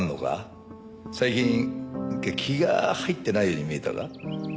最近気が入ってないように見えたが。